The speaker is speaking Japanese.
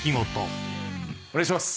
「お願いします」